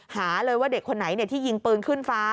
หาเลยว่าเด็กคนไหนที่ยิงปืนขึ้นฟ้า